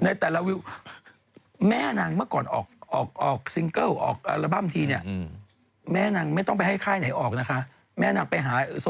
น้องเพลงวิดนามไปเนี่ยสับแล้วไฟชาย